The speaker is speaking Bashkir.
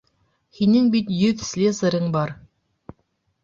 Һинең бит йөҙ слесарың бар.